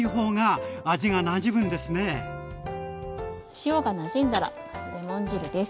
塩がなじんだらまずレモン汁です。